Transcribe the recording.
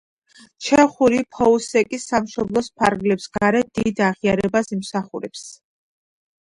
ჩეხური ფოუსეკი სამშობლოს ფარგლებს გარეთ დიდ აღიარებას იმსახურებს.